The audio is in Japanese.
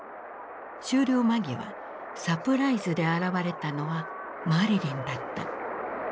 終了間際サプライズで現れたのはマリリンだった。